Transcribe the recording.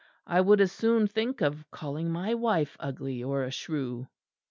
I would as soon think of calling my wife ugly or a shrew."